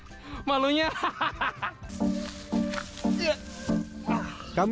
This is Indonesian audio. kami selanjutnya menuju tempat produksi